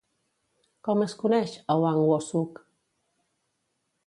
Com es coneix a Hwang Woo-Suk?